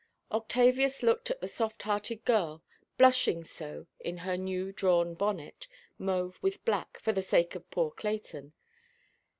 Octavius looked at the soft–hearted girl, blushing so in her new drawn bonnet—mauve with black, for the sake of poor Clayton.